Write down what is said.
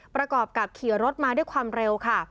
ประกอบกับขี่รถมาด้วยความเร็วค่ะ